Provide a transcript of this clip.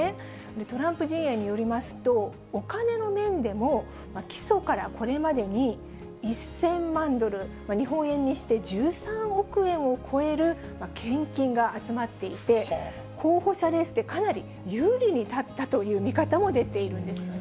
トランプ陣営によりますと、お金の面でも起訴からこれまでに、１０００万ドル、日本円にして１３億円を超える献金が集まっていて、候補者レースでかなり有利に立ったという見方も出ているんですよ